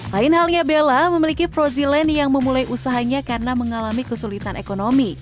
lain halnya bella memiliki prozilane yang memulai usahanya karena mengalami kesulitan ekonomi